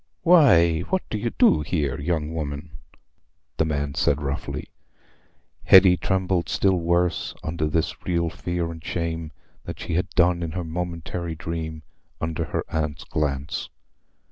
"Why, what do you do here, young woman?" the man said roughly. Hetty trembled still worse under this real fear and shame than she had done in her momentary dream under her aunt's glance.